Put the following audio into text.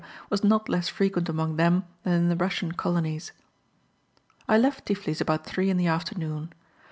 was not less frequent among them than in the Russian colonies. I left Tiflis about 3 in the afternoon.